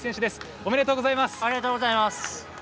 ありがとうございます。